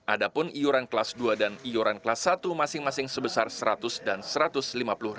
ada pun iuran kelas dua dan iuran kelas satu masing masing sebesar rp seratus dan rp seratus